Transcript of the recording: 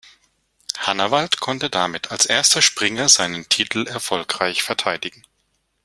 Hannawald konnte damit als erster Springer seinen Titel erfolgreich verteidigen.